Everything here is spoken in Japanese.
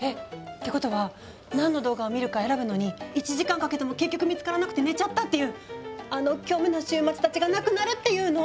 ってことは何の動画を見るか選ぶのに１時間かけても結局見つからなくて寝ちゃったっていうあの虚無の週末たちがなくなるっていうの？